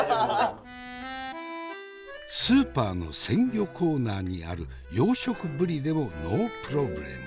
スーパーの鮮魚コーナーにある養殖ぶりでもノープロブレム。